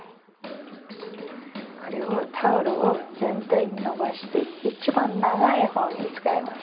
タオルを全体に伸ばして一番長い方を使います。